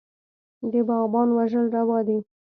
د باغيانو وژل روا دي.